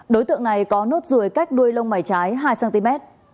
đối tượng này có nốt ruồi cách đuôi lông mảy trái hai cm